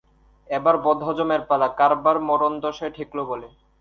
এবার বদহজমের পালা, কারবার মরণদশায় ঠেকল বলে!